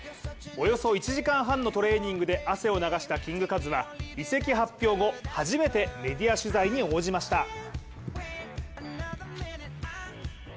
およそ１時間半のトレーニングで汗を流したキングカズは移籍発表後、初めてメディア取材に応じました。